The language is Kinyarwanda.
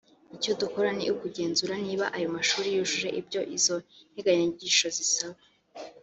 Icyo dukora ni ukugenzura niba ayo mashuri yujuje ibyo izo nteganyanyigisho zisaba